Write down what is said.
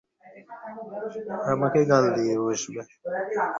আমাকে গাল দিয়ে বসবে।